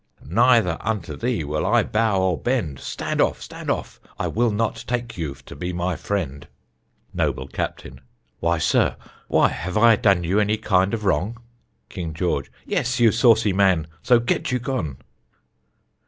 Neither unto thee will I bow nor bend. Stand off! stand off! I will not take you to be my friend. Noble Captain: Why, sir, why, have I done you any kind of wrong? King George: Yes, you saucy man, so get you gone.